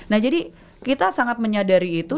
nah jadi kita sangat menyadari itu